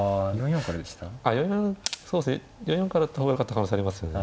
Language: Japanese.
４四から打った方がよかった可能性ありますよね。